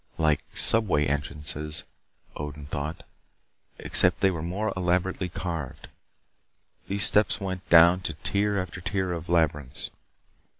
Like subway entrances, Odin thought, except they were more elaborately carved. These steps went down to tier after tier of labyrinths.